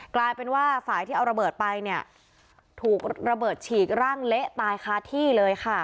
กลายเป็นว่าฝ่ายที่เอาระเบิดไปเนี่ยถูกระเบิดฉีกร่างเละตายคาที่เลยค่ะ